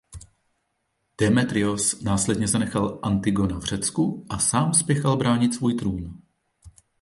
Démétrios následně zanechal Antigona v Řecku a sám spěchal bránit svůj trůn.